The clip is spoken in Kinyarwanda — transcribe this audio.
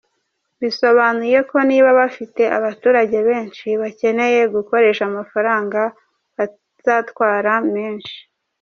Bisobanuye ko niba bafite abaturage benshi bakeneye gukoresha amafaranga bazatwara menshi.